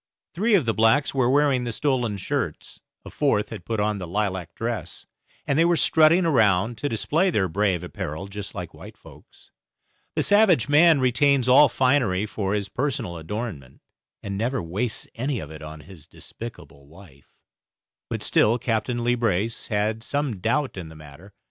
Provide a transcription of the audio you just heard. Three of the blacks were wearing the stolen shirts, a fourth had put on the lilac dress, and they were strutting around to display their brave apparel just like white folks. The savage man retains all finery for his own personal adornment, and never wastes any of it on his despicable wife, but still Captain Leebrace had some doubt in the matter.